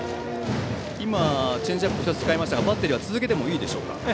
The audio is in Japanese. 今、チェンジアップ２つ使いましたがバッテリーは続けてもいいでしょうか。